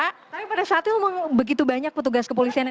tapi pada saat itu memang begitu banyak petugas kepolisian